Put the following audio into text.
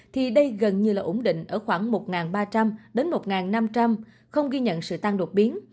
thì đây gần như là ổn định ở khoảng một ba trăm linh đến một năm trăm linh không ghi nhận sự tăng đột biến